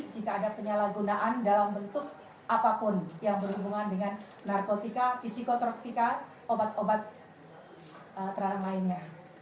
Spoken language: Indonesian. jika ada penyalahgunaan dalam bentuk apapun yang berhubungan dengan narkotika psikotropika obat obat terang lainnya